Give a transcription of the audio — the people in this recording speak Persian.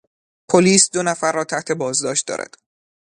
پلیس دو نفر را تحت بازداشت دارد.